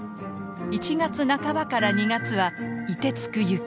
１月半ばから２月は「凍てつく雪」。